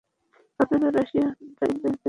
আপনারা রাশিয়ানরা ইংরেজদের কী কী বিষয় পছন্দ করেন।